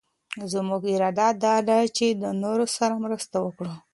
زمونږ اراده دا ده چي د نورو سره مرسته وکړو.